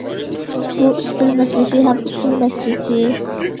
بۇ ئىستىل مەسىلىسى ھەم ئۇسۇل مەسىلىسى.